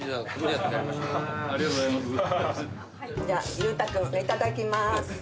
「優太君いただきます」